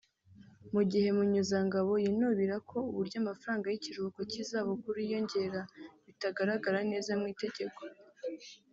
Mugihe Munyuzangabo yinubira ko uburyo amafaranga y’ikiruhuko cy’izabukuru yiyongera bitagaragara neza mu Itegeko